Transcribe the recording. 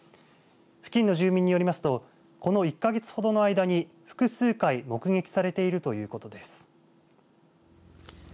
付近の住民によりますとこの１か月ほどの間に複数回目撃されているということです。